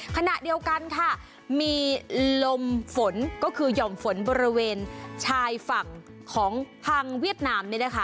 ขณะเดียวกันค่ะมีลมฝนก็คือห่อมฝนบริเวณชายฝั่งของทางเวียดนามเนี่ยนะคะ